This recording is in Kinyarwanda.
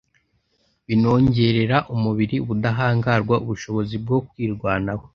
Binongerera umubiri ubudahangarwa (ubushobozi bwo kwirwanaho)